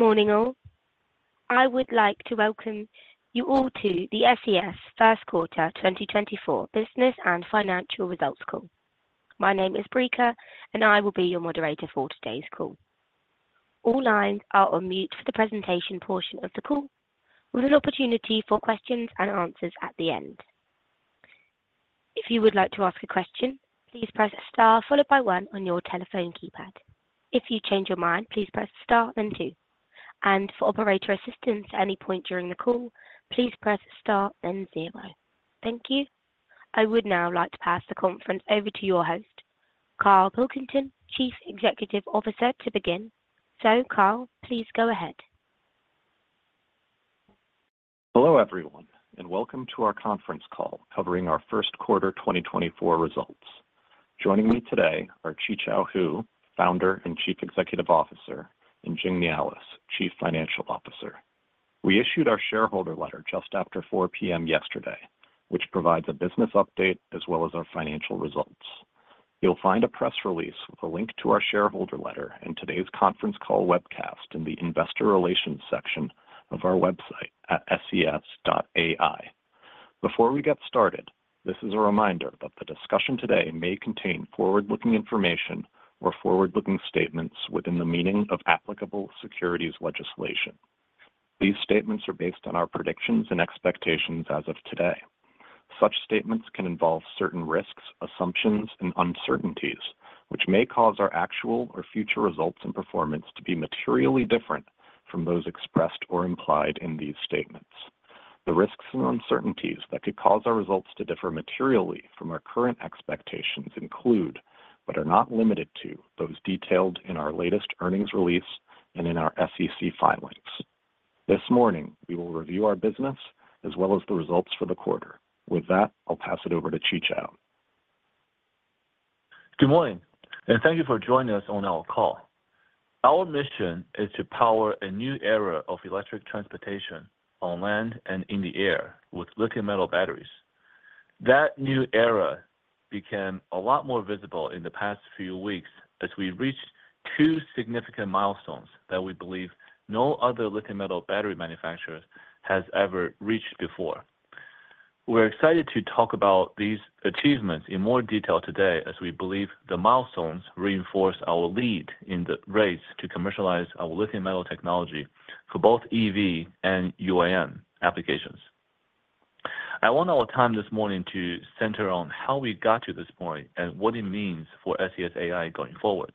Good morning, all. I would like to welcome you all to the SES Q1 2024 Business and Financial Results Call. My name is Breaker], and I will be your moderator for today's call. All lines are on mute for the presentation portion of the call, with an opportunity for questions and answers at the end. If you would like to ask a question, please press star followed by one on your telephone keypad. If you change your mind, please press star, then two, and for operator assistance at any point during the call, please press star, then zero. Thank you. I would now like to pass the conference over to your host, Kyle Pilkington, Chief Legal Officer, to begin. So, Kyle, please go ahead. Hello, everyone, and welcome to our conference call covering our Q1 2024 results. Joining me today are Qichao Hu, Founder and Chief Executive Officer, and Jing Nealis, Chief Financial Officer. We issued our shareholder letter just after 4 P.M. yesterday, which provides a business update as well as our financial results. You'll find a press release with a link to our shareholder letter in today's conference call webcast in the Investor Relations section of our website at ses.ai. Before we get started, this is a reminder that the discussion today may contain forward-looking information or forward-looking statements within the meaning of applicable securities legislation. These statements are based on our predictions and expectations as of today. Such statements can involve certain risks, assumptions, and uncertainties, which may cause our actual or future results and performance to be materially different from those expressed or implied in these statements. The risks and uncertainties that could cause our results to differ materially from our current expectations include, but are not limited to, those detailed in our latest earnings release and in our SEC filings. This morning, we will review our business as well as the results for the quarter. With that, I'll pass it over to Qichao. Good morning, and thank you for joining us on our call. Our mission is to power a new era of electric transportation on land and in the air with lithium metal batteries. That new era became a lot more visible in the past few weeks as we reached two significant milestones that we believe no other lithium metal battery manufacturer has ever reached before. We're excited to talk about these achievements in more detail today, as we believe the milestones reinforce our lead in the race to commercialize our lithium metal technology for both EV and UAM applications. I want our time this morning to center on how we got to this point and what it means for SES AI going forward.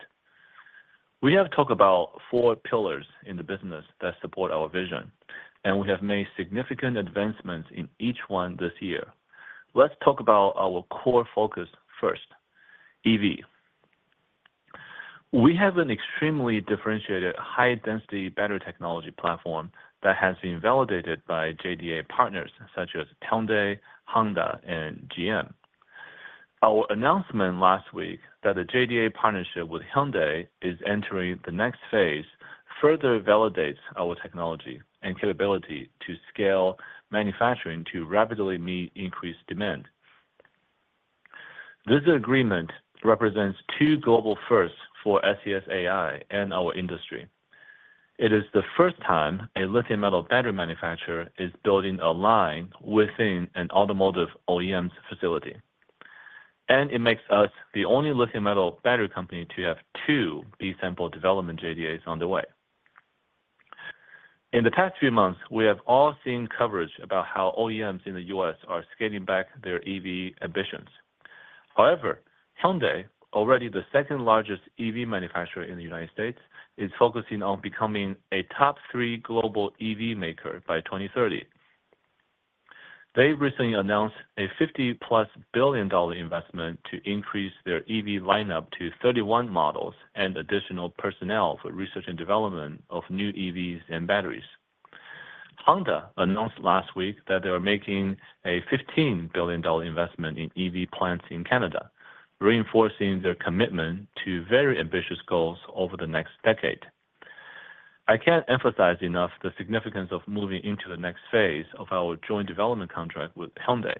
We have talked about four pillars in the business that support our vision, and we have made significant advancements in each one this year. Let's talk about our core focus first, EV. We have an extremely differentiated, high-density battery technology platform that has been validated by JDA partners such as Hyundai, Honda, and GM. Our announcement last week that the JDA partnership with Hyundai is entering the next phase, further validates our technology and capability to scale manufacturing to rapidly meet increased demand. This agreement represents two global firsts for SES AI and our industry. It is the first time a lithium metal battery manufacturer is building a line within an automotive OEM's facility, and it makes us the only lithium metal battery company to have two B-sample development JDAs on the way. In the past few months, we have all seen coverage about how OEMs in the U.S. are scaling back their EV ambitions. However, Hyundai, already the second-largest EV manufacturer in the United States, is focusing on becoming a top three global EV maker by 2030. They recently announced a $50+ billion investment to increase their EV lineup to 31 models and additional personnel for research and development of new EVs and batteries. Honda announced last week that they are making a $15 billion investment in EV plants in Canada, reinforcing their commitment to very ambitious goals over the next decade. I can't emphasize enough the significance of moving into the next phase of our joint development contract with Hyundai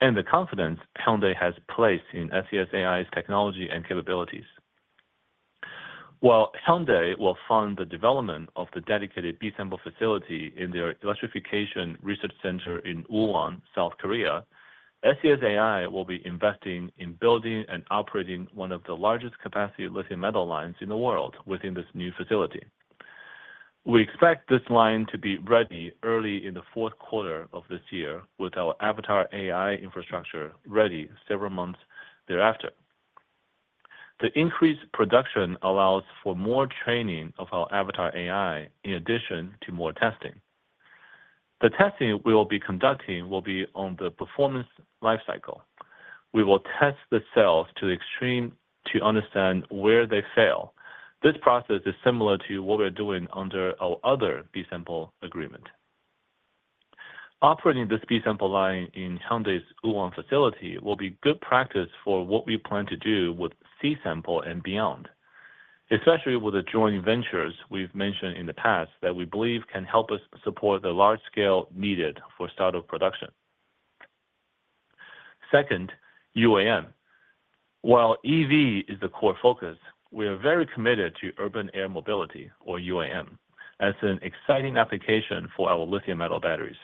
and the confidence Hyundai has placed in SES AI's technology and capabilities. While Hyundai will fund the development of the dedicated B-sample facility in their electrification research center in Ulsan, South Korea, SES AI will be investing in building and operating one of the largest capacity lithium metal lines in the world within this new facility. We expect this line to be ready early in the fourth quarter of this year, with our Avatar AI infrastructure ready several months thereafter. The increased production allows for more training of our Avatar AI in addition to more testing. The testing we will be conducting will be on the performance life cycle. We will test the cells to the extreme to understand where they fail. This process is similar to what we're doing under our other B-sample agreement. Operating this B-sample line in Hyundai's Ulsan facility will be good practice for what we plan to do with C-sample and beyond, especially with the joint ventures we've mentioned in the past that we believe can help us support the large scale needed for start of production. Second, UAM. While EV is the core focus, we are very committed to urban air mobility, or UAM, as an exciting application for our lithium metal batteries.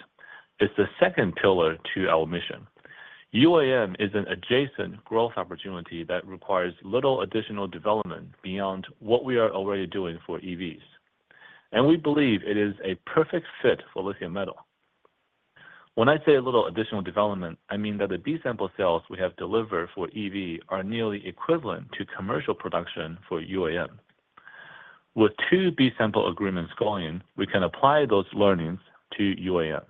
It's the second pillar to our mission. UAM is an adjacent growth opportunity that requires little additional development beyond what we are already doing for EVs, and we believe it is a perfect fit for lithium metal. When I say a little additional development, I mean that the B-sample cells we have delivered for EV are nearly equivalent to commercial production for UAM. With two B-sample agreements going, we can apply those learnings to UAM.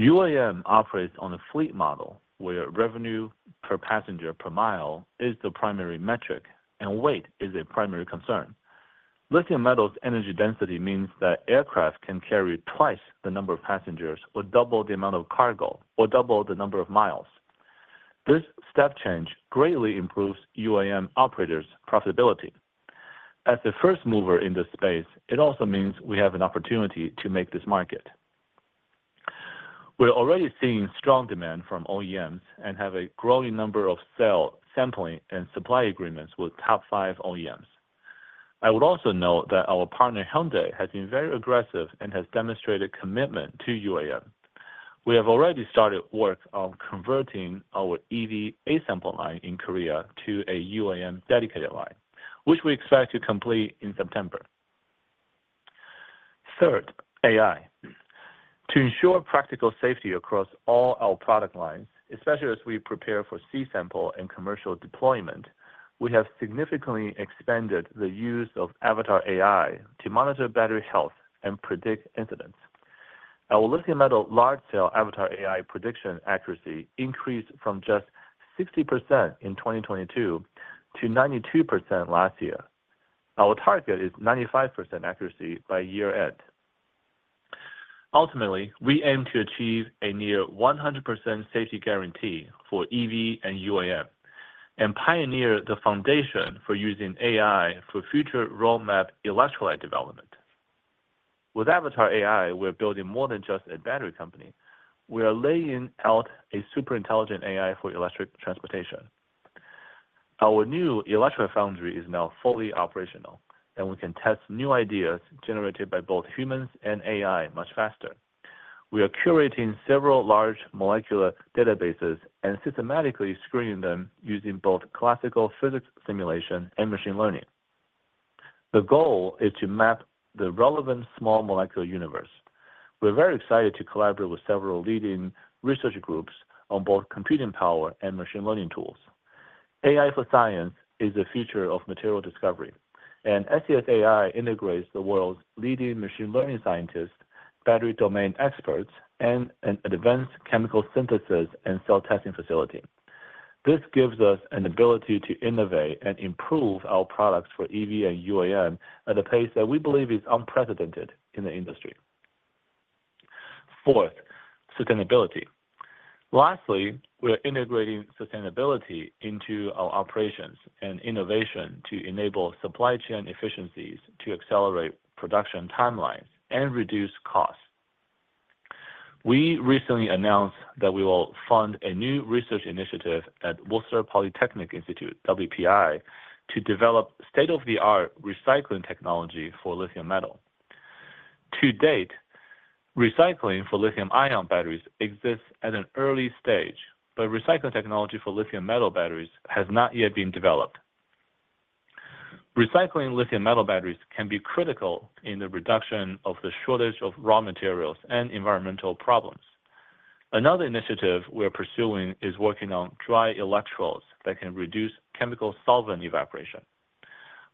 UAM operates on a fleet model, where revenue per passenger per mile is the primary metric and weight is a primary concern. Lithium metal's energy density means that aircraft can carry twice the number of passengers or double the amount of cargo or double the number of miles. This step change greatly improves UAM operators' profitability. As the first mover in this space, it also means we have an opportunity to make this market. We're already seeing strong demand from OEMs and have a growing number of cell sampling and supply agreements with top five OEMs. I would also note that our partner, Hyundai, has been very aggressive and has demonstrated commitment to UAM. We have already started work on converting our EV A-sample line in Korea to a UAM-dedicated line, which we expect to complete in September. Third, AI. To ensure practical safety across all our product lines, especially as we prepare for C-sample and commercial deployment, we have significantly expanded the use of Avatar AI to monitor battery health and predict incidents. Our lithium metal large-cell Avatar AI prediction accuracy increased from just 60% in 2022 to 92% last year. Our target is 95% accuracy by year-end. Ultimately, we aim to achieve a near 100% safety guarantee for EV and UAM, and pioneer the foundation for using AI for future roadmap electrolyte development. With Avatar AI, we're building more than just a battery company. We are laying out a super intelligent AI for electric transportation. Our new Electrolyte Foundry is now fully operational, and we can test new ideas generated by both humans and AI much faster. We are curating several large molecular databases and systematically screening them using both classical physics simulation and machine learning. The goal is to map the relevant small molecular universe. We're very excited to collaborate with several leading research groups on both computing power and machine learning tools. AI for science is the future of material discovery, and SES AI integrates the world's leading machine learning scientists, battery domain experts, and an advanced chemical synthesis and cell testing facility. This gives us an ability to innovate and improve our products for EV and UAM at a pace that we believe is unprecedented in the industry. Fourth, sustainability. Lastly, we are integrating sustainability into our operations and innovation to enable supply chain efficiencies to accelerate production timelines and reduce costs. We recently announced that we will fund a new research initiative at Worcester Polytechnic Institute, WPI, to develop state-of-the-art recycling technology for lithium metal. To date, recycling for lithium-ion batteries exists at an early stage, but recycling technology for lithium metal batteries has not yet been developed. Recycling lithium metal batteries can be critical in the reduction of the shortage of raw materials and environmental problems. Another initiative we are pursuing is working on dry electrodes that can reduce chemical solvent evaporation.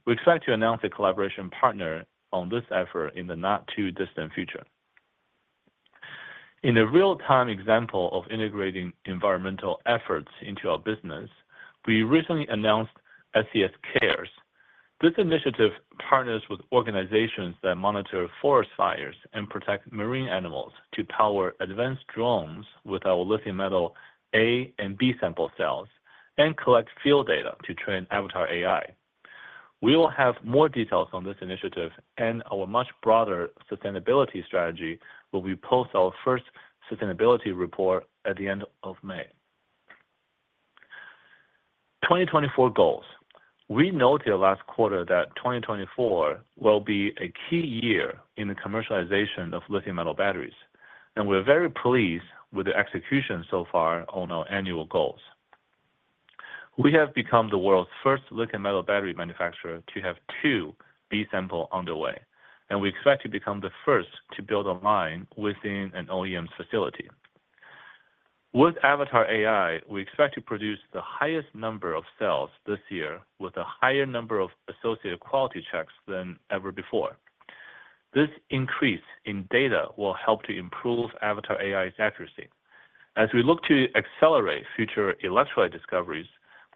We expect to announce a collaboration partner on this effort in the not-too-distant future. In a real-time example of integrating environmental efforts into our business, we recently announced SES Cares. This initiative partners with organizations that monitor forest fires and protect marine animals to power advanced drones with our lithium metal A and B sample cells, and collect field data to train Avatar AI. We will have more details on this initiative and our much broader sustainability strategy when we post our first sustainability report at the end of May 2024 goals. We noted last quarter that 2024 will be a key year in the commercialization of lithium metal batteries, and we're very pleased with the execution so far on our annual goals. We have become the world's first lithium metal battery manufacturer to have two B-sample underway, and we expect to become the first to build a line within an OEM's facility. With Avatar AI, we expect to produce the highest number of cells this year with a higher number of associated quality checks than ever before. This increase in data will help to improve Avatar AI's accuracy. As we look to accelerate future electrolyte discoveries,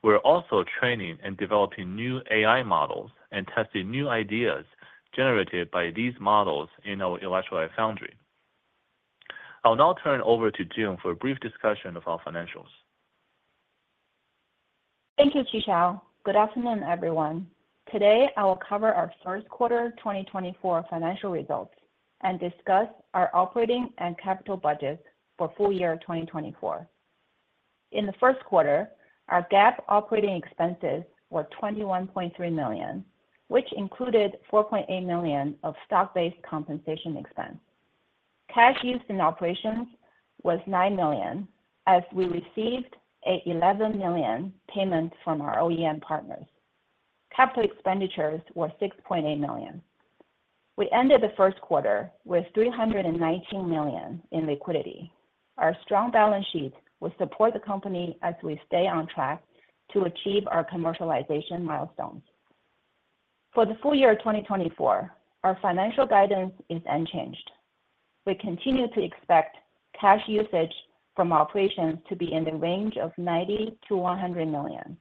we're also training and developing new AI models and testing new ideas generated by these models in our Electrolyte Foundry. I'll now turn it over to Jing for a brief discussion of our financial- Thank you, Qichao. Good afternoon, everyone. Today, I will cover our Q1 2024 financial results and discuss our operating and capital budgets for full year 2024. In Q1, our GAAP operating expenses were $21.3 million, which included $4.8 million of stock-based compensation expense. Cash used in operations was $9 million, as we received an 11 million payment from our OEM partners. Capital expenditures were $6.8 million. We ended Q1 with $319 million in liquidity. Our strong balance sheet will support the company as we stay on track to achieve our commercialization milestones. For the full year of 2024, our financial guidance is unchanged. We continue to expect cash usage from operations to be in the range of $90 - 100 million,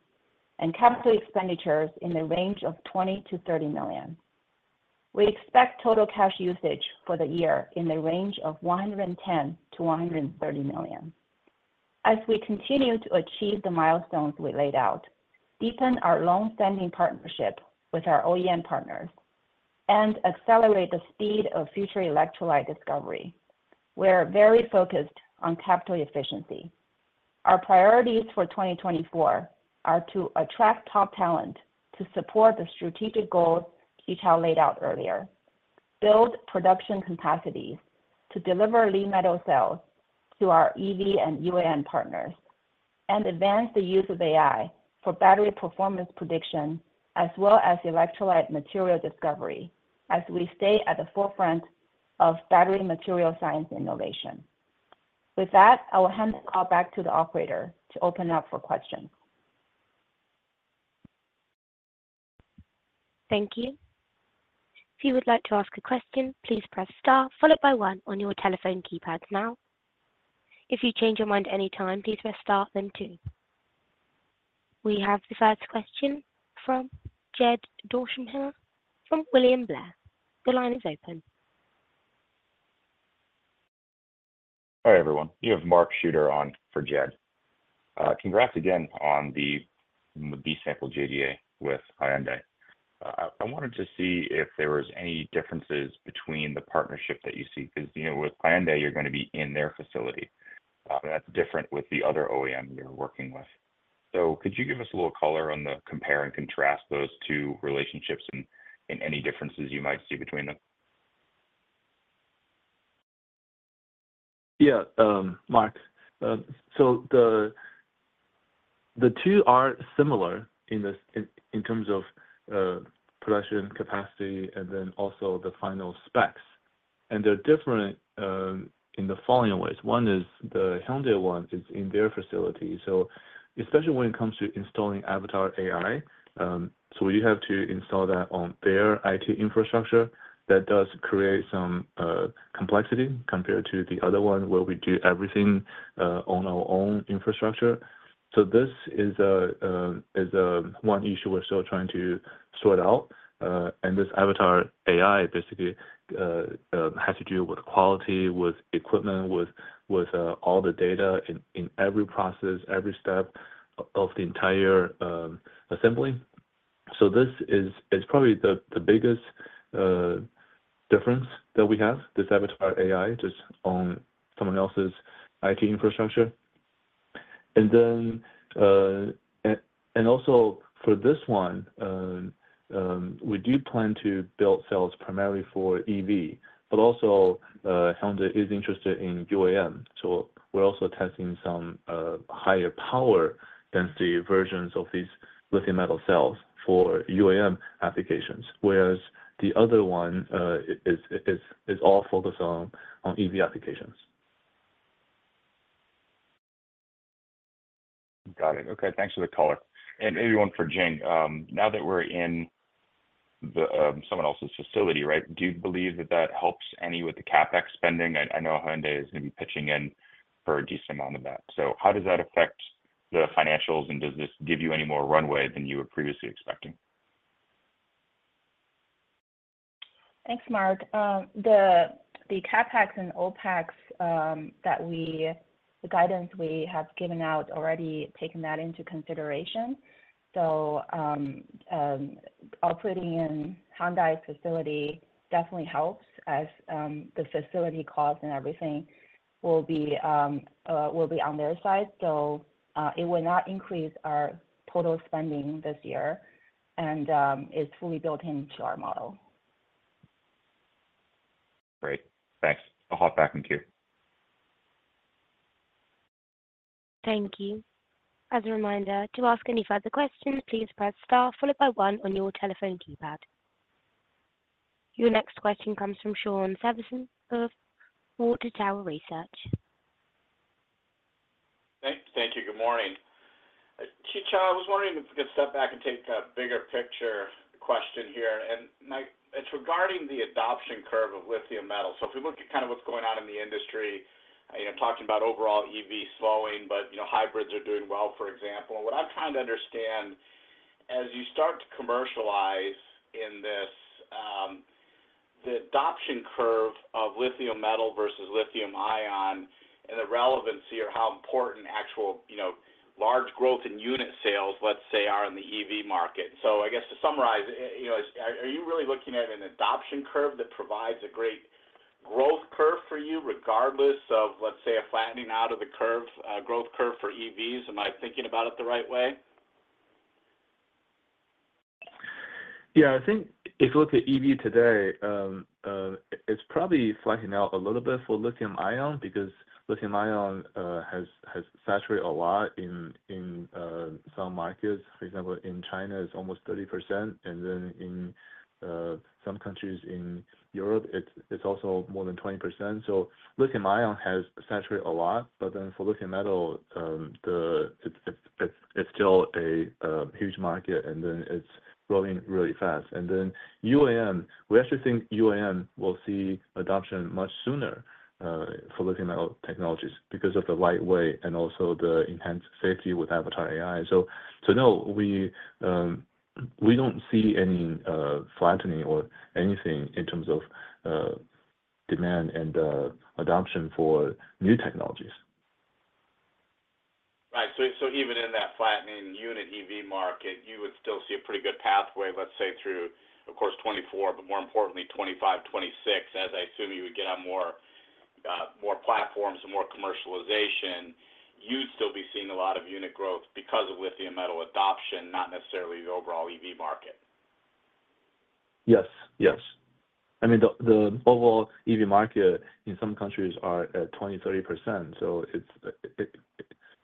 and capital expenditures in the range of $20 - 30 million. We expect total cash usage for the year in the range of $110 - 130 million. As we continue to achieve the milestones we laid out, deepen our long-standing partnership with our OEM partners, and accelerate the speed of future electrolyte discovery, we're very focused on capital efficiency. Our priorities for 2024 are to attract top talent to support the strategic goals Qichao laid out earlier, build production capacity to deliver Li-metal cells to our EV and UAM partners, and advance the use of AI for battery performance prediction, as well as electrolyte material discovery, as we stay at the forefront of battery material science innovation. With that, I will hand the call back to the operator to open up for questions. Thank you. If you would like to ask a question, please press star followed by one on your telephone keypad now. If you change your mind at any time, please press star then two. We have the first question from Jed Dorsheimer here from William Blair. The line is open. Hi, everyone. You have Mark Schutt on for Jed. Congrats again on the B-sample JDA with Hyundai. I wanted to see if there was any differences between the partnership that you see, 'cause, you know, with Hyundai, you're gonna be in their facility. That's different with the other OEM you're working with. So could you give us a little color on the compare and contrast those two relationships and any differences you might see between them? Yeah, Mark. So the two are similar in terms of production capacity and then also the final specs, and they're different in the following ways. One is the Hyundai one is in their facility, so especially when it comes to installing Avatar AI, so we have to install that on their IT infrastructure. That does create some complexity compared to the other one, where we do everything on our own infrastructure. So this is a one issue we're still trying to sort out, and this Avatar AI basically has to do with quality, with equipment, with all the data in every process, every step of the entire assembly. So this is probably the biggest difference that we have, this Avatar AI, just on someone else's IT infrastructure. And then, and also for this one, we do plan to build cells primarily for EV, but also, Hyundai is interested in UAM, so we're also testing some higher power density versions of these lithium metal cells for UAM applications, whereas the other one is all focused on EV applications. Got it. Okay, thanks for the color. And maybe one for Jing. Now that we're in someone else's facility, right, do you believe that that helps any with the CapEx spending? I know Hyundai is gonna be pitching in for a decent amount of that. So how does that affect the financials, and does this give you any more runway than you were previously expecting? Thanks, Mark. The CapEx and OpEx, the guidance we have given out already taken that into consideration. So, operating in Hyundai's facility definitely helps as the facility costs and everything will be on their side. So, it will not increase our total spending this year and is fully built into our model. Great. Thanks. I'll hop back in queue. Thank you. As a reminder, to ask any further questions, please press star followed by one on your telephone keypad. Your next question comes from Shawn Severson of Water Tower Research. Thank you. Good morning. Qichao, I was wondering if we could step back and take a bigger picture question here, and my—it's regarding the adoption curve of lithium metal. So if we look at kind of what's going on in the industry, you know, talking about overall EV slowing, but, you know, hybrids are doing well, for example. What I'm trying to understand—as you start to commercialize in this, the adoption curve of lithium metal versus lithium ion and the relevancy or how important actual, you know, large growth in unit sales, let's say, are in the EV market. So I guess to summarize, you know, are, are you really looking at an adoption curve that provides a great growth curve for you, regardless of, let's say, a flattening out of the curve, growth curve for EVs? Am I thinking about it the right way? Yeah. I think if you look at EV today, it's probably flattening out a little bit for lithium ion because lithium ion has saturated a lot in some markets. For example, in China, it's almost 30%, and then in some countries in Europe, it's also more than 20%. So lithium ion has saturated a lot, but then for lithium metal, it's still a huge market, and then it's growing really fast. And then UAM, we actually think UAM will see adoption much sooner for lithium metal technologies because of the light weight and also the enhanced safety with Avatar AI. So no, we don't see any flattening or anything in terms of demand and adoption for new technologies. Right. So, so even in that flattening unit EV market, you would still see a pretty good pathway, let's say, through, of course, 2024, but more importantly, 2025, 2026, as I assume you would get on more, more platforms and more commercialization, you'd still be seeing a lot of unit growth because of lithium metal adoption, not necessarily the overall EV market? Yes. Yes. I mean, the overall EV market in some countries are at 20%-30%, so it's,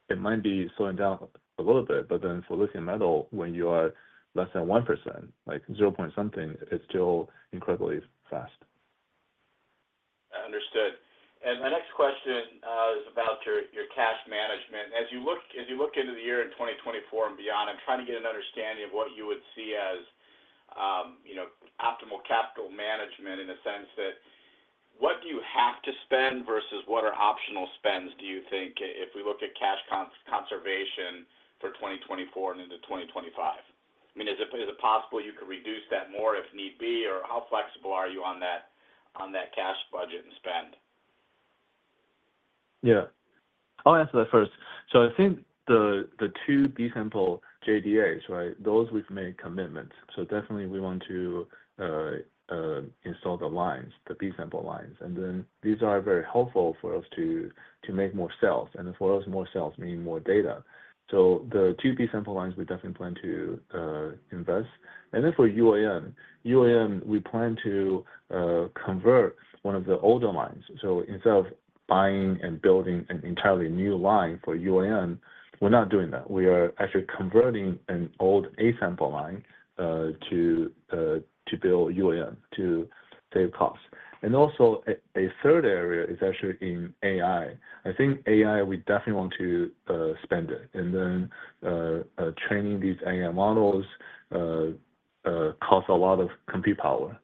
it might be slowing down a little bit, but then for lithium metal, when you are less than 1%, like zero point something, it's still incredibly fast. Understood. And my next question is about your cash management. As you look into the year in 2024 and beyond, I'm trying to get an understanding of what you would see as, you know, optimal capital management in the sense that what do you have to spend versus what are optional spends, do you think, if we look at cash conservation for 2024 and into 2025? I mean, is it possible you could reduce that more if need be, or how flexible are you on that cash budget and spend? Yeah. I'll answer that first. So I think the two B-sample JDAs, right? Those we've made commitments, so definitely we want to install the lines, the B-sample lines. And then these are very helpful for us to make more cells, and for us, more cells mean more data. So the two B-sample lines, we definitely plan to invest. And then for UAM, we plan to convert one of the older lines. So instead of buying and building an entirely new line for UAM, we're not doing that. We are actually converting an old A-sample line to build UAM, to save costs. And also, a third area is actually in AI. I think AI, we definitely want to spend it, and then training these AI models costs a lot of compute power.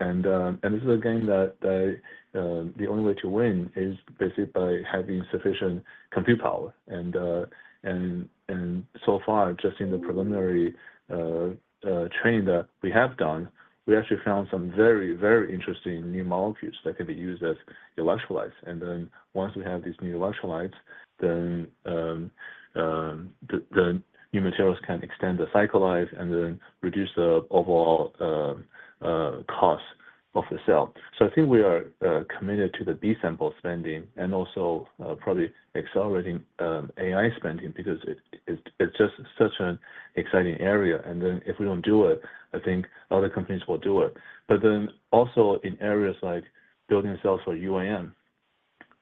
And then... This is a game that the only way to win is basically by having sufficient compute power. And so far, just in the preliminary training that we have done, we actually found some very, very interesting new molecules that can be used as electrolytes. And then once we have these new electrolytes, then the new materials can extend the cycle life and then reduce the overall cost of the cell. So I think we are committed to the B-sample spending and also probably accelerating AI spending because it's just such an exciting area. And then if we don't do it, I think other companies will do it. But then also in areas like building cells for UAM,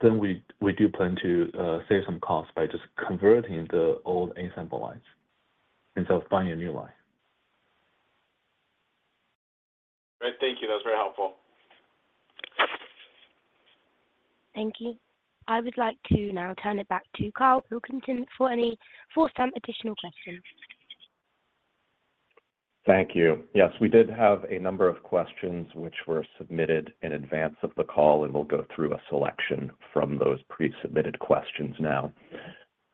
then we do plan to save some costs by just converting the old A-sample lines instead of buying a new line. Great. Thank you. That was very helpful. Thank you. I would like to now turn it back to Kyle Pilkington for any further additional questions. Thank you. Yes, we did have a number of questions which were submitted in advance of the call, and we'll go through a selection from those pre-submitted questions now.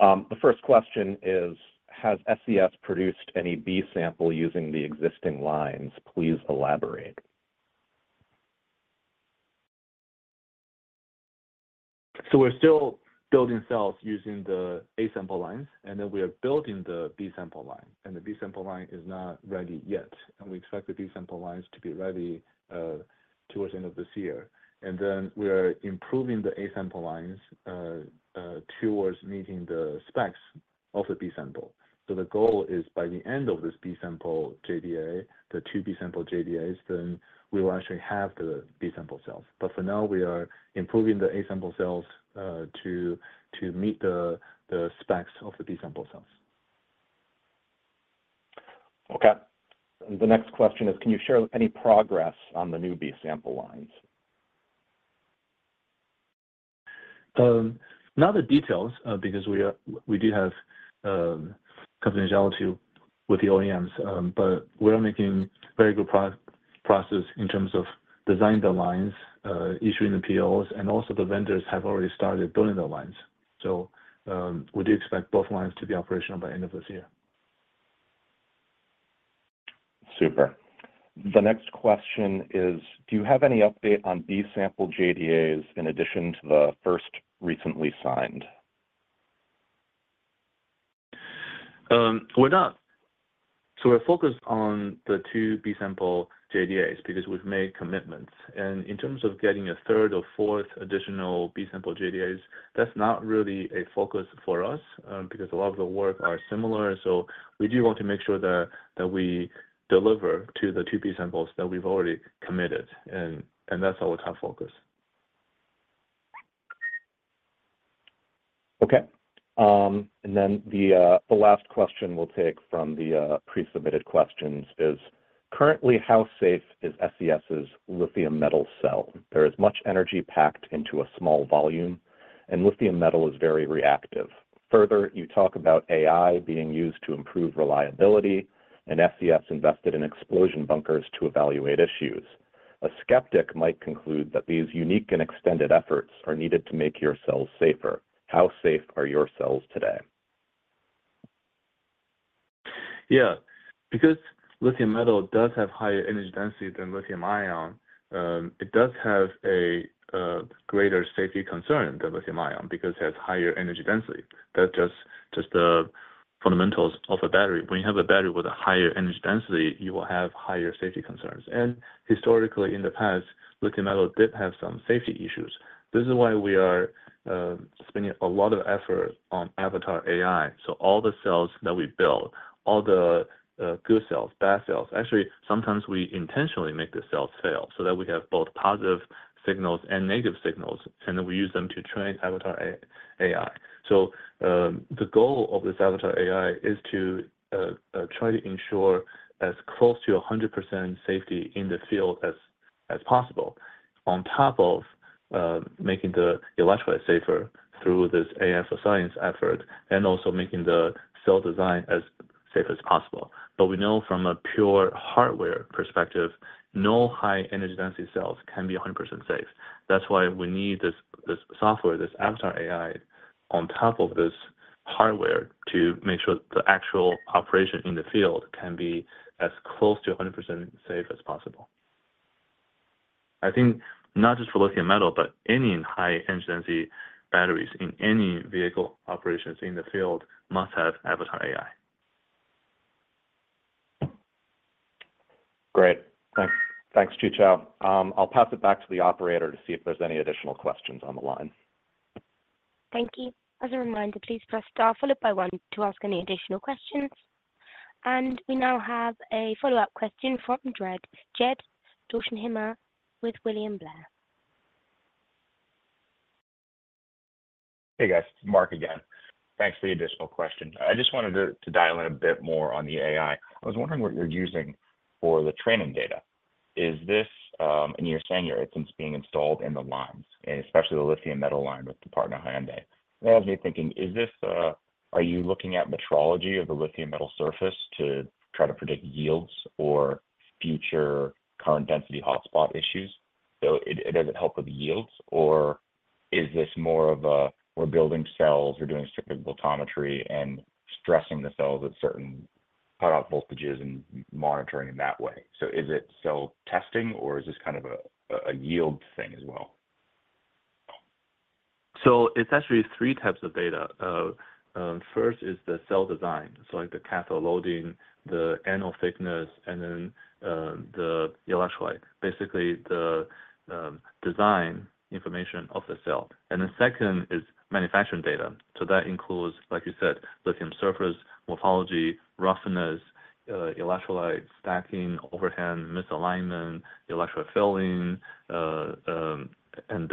The first question is: Has SES produced any B sample using the existing lines? Please elaborate. So we're still building cells using the A-sample lines, and then we are building the B-sample line, and the B-sample line is not ready yet. We expect the B-sample lines to be ready towards the end of this year. Then we are improving the A-sample lines towards meeting the specs of the B-sample. So the goal is, by the end of this B-sample JDA, the two B-sample JDAs, then we will actually have the B-sample cells. But for now, we are improving the A-sample cells to meet the specs of the B-sample cells. Okay. The next question is, can you share any progress on the new B-sample lines? Not the details, because we do have confidentiality with the OEMs, but we are making very good progress in the process in terms of designing the lines, issuing the POs, and also the vendors have already started building the lines. So, we do expect both lines to be operational by the end of this year. Super. The next question is, do you have any update on B-sample JDAs in addition to the first recently signed? We're not. So we're focused on the two B-sample JDAs because we've made commitments, and in terms of getting a third or fourth additional B-sample JDAs, that's not really a focus for us, because a lot of the work are similar. So we do want to make sure that, that we deliver to the two B-samples that we've already committed, and, and that's our top focus. Okay. And then the last question we'll take from the pre-submitted questions is: Currently, how safe is SES's lithium metal cell? There is much energy packed into a small volume, and lithium metal is very reactive. Further, you talk about AI being used to improve reliability, and SES invested in explosion bunkers to evaluate issues. A skeptic might conclude that these unique and extended efforts are needed to make your cells safer. How safe are your cells today? Yeah, because lithium metal does have higher energy density than lithium ion, it does have a greater safety concern than lithium ion because it has higher energy density. That's just, just the fundamentals of a battery. When you have a battery with a higher energy density, you will have higher safety concerns. And historically, in the past, lithium metal did have some safety issues. This is why we are spending a lot of effort on Avatar AI. So all the cells that we build, all the good cells, bad cells... Actually, sometimes we intentionally make the cells fail so that we have both positive signals and negative signals, and then we use them to train Avatar AI. So, the goal of this Avatar AI is to try to ensure as close to 100% safety in the field as possible, on top of making the electrolyte safer through this AI for Science effort, and also making the cell design as safe as possible. But we know from a pure hardware perspective, no high-energy density cells can be 100% safe. That's why we need this software, this Avatar AI, on top of this hardware to make sure the actual operation in the field can be as close to 100% safe as possible. I think not just for lithium metal, but any high-energy density batteries in any vehicle operations in the field must have Avatar AI. Great. Thanks. Thanks, Qichao. I'll pass it back to the operator to see if there's any additional questions on the line. Thank you. As a reminder, please press star followed by one to ask any additional questions. We now have a follow-up question from Jed Dorsheimer with William Blair. Hey, guys. It's Mark again. Thanks for the additional question. I just wanted to, to dial in a bit more on the AI. I was wondering what you're using for the training data. Is this, and you're saying here, it's being installed in the lines, and especially the lithium metal line with the partner, Hyundai. That has me thinking, is this, Are you looking at metrology of the lithium metal surface to try to predict yields or future current density hotspot issues? So it, does it help with the yields, or is this more of a, we're building cells, we're doing strict voltammetry and stressing the cells at certain cut-off voltages and monitoring in that way? So is it cell testing, or is this kind of a, a yield thing as well? So it's actually three types of data. First is the cell design, so like the cathode loading, the anode thickness, and then the electrolyte. Basically, the design information of the cell. And the second is manufacturing data. So that includes, like you said, lithium surface, morphology, roughness, electrolyte stacking, overhang misalignment, electrolyte filling, and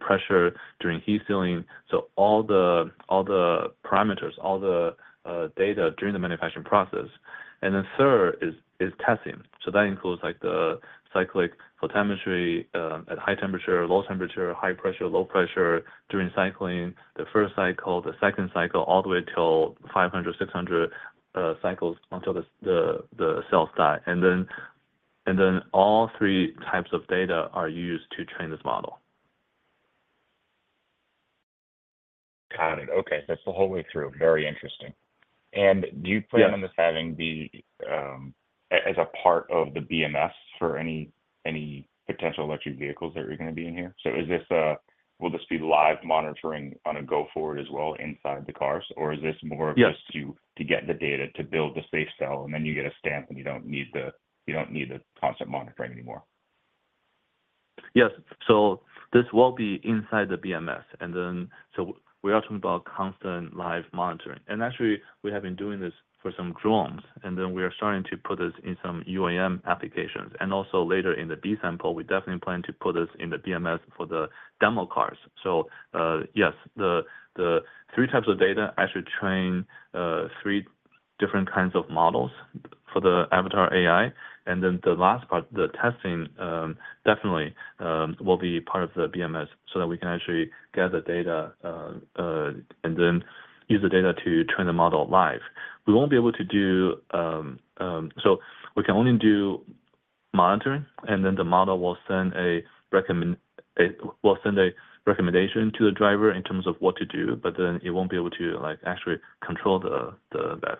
pressure during heat sealing. So all the parameters, all the data during the manufacturing process. And then third is testing. So that includes, like, the cyclic voltammetry at high temperature, low temperature, high pressure, low pressure during cycling, the first cycle, the second cycle, all the way till 500, 600 cycles, until the cells die. And then all three types of data are used to train this model. Got it. Okay. It's the whole way through. Very interesting. Yeah. Do you plan on this having the, as a part of the BMS for any potential electric vehicles that are gonna be in here? Will this be live monitoring on a go forward as well inside the cars, or is this more of- Yes Just to get the data to build the safe cell, and then you get a stamp, and you don't need the constant monitoring anymore? Yes. So this will be inside the BMS, and then, so we are talking about constant live monitoring. And actually, we have been doing this for some drones, and then we are starting to put this in some UAM applications. And also later in the B-sample, we definitely plan to put this in the BMS for the demo cars. So, yes, the three types of data actually train three different kinds of models for the Avatar AI. And then the last part, the testing, definitely, will be part of the BMS so that we can actually gather data, and then use the data to train the model live. We won't be able to do... So we can only do monitoring, and then the model will send a recommend, it will send a recommendation to the driver in terms of what to do, but then it won't be able to, like, actually control the vehicle.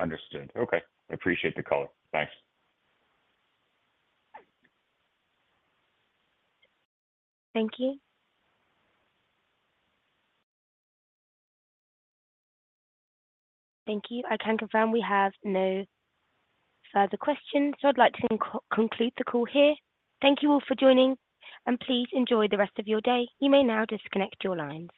Understood. Okay. I appreciate the call. Thanks. Thank you. Thank you. I can confirm we have no further questions, so I'd like to conclude the call here. Thank you all for joining, and please enjoy the rest of your day. You may now disconnect your lines.